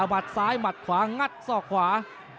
หัดซ้ายหมัดขวางัดศอกขวา